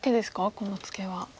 このツケは。